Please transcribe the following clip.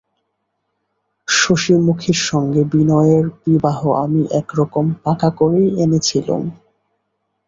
শশিমুখীর সঙ্গে বিনয়ের বিবাহ আমি একরকম পাকা করেই এনেছিলুম।